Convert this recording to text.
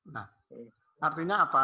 nah artinya apa